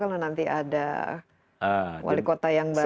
kalau nanti ada wali kota yang baru